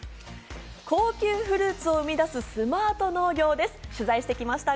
高級フルーツを生み出すスマート農業です、取材してきました。